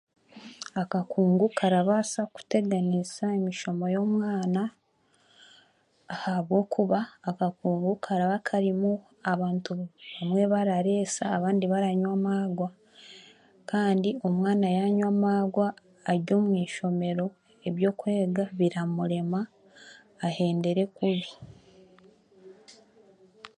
Akakungu karabaasa kuteganiisa emishomo y'omwana ahabwokuba akakungu karaba karimu abantu abamwe barareesa kandi abandi baranywa amaagwa kandi omwana yaanywa ari omu ishomero, ebyokwega biramurema ahendere kubi.